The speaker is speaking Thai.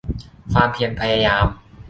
ความเพียรพยายาม